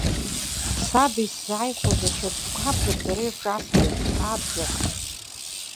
Саб исзааихәаз ачарҳәқәа абжак дара ирҿасҵеит, абжак.